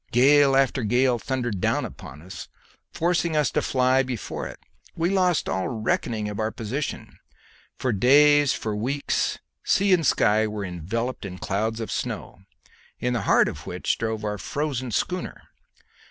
Gale after gale thundered down upon us, forcing us to fly before it. We lost all reckoning of our position; for days, for weeks, sea and sky were enveloped in clouds of snow, in the heart of which drove our frozen schooner.